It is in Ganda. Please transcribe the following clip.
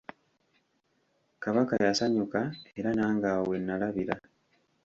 Kabaka yasanyuka era nange awo wennalabira.